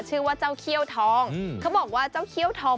ชื่อว่าเจ้าเขี้ยวทอง